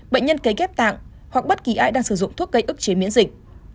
bệnh nhân kế ghép tạng hoặc bất kỳ ai đang sử dụng thuốc gây ức chế miễn dịch